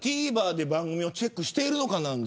ＴＶｅｒで番組をチェックしているのか。